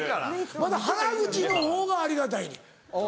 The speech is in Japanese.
まだ原口のほうがありがたいねん。